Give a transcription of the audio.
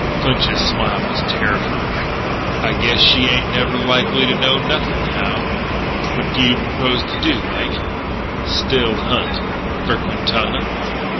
Clinch's smile was terrifying. "I guess she ain't never likely to know nothing, Hal." "What do you purpose to do, Mike?" "Still hunt." "For Quintana?"